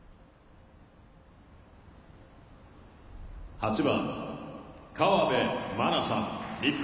８番河辺愛菜さん、日本。